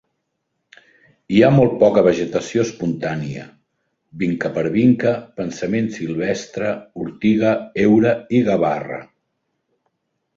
Hi ha molt poca vegetació espontània: vincapervinca, pensament silvestre, ortiga, heura i gavarra.